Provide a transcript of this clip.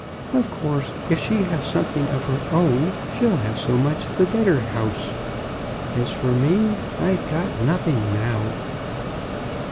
Of course, if she have something of her own, she'll have so much the better house. As for me, I've got nothing now."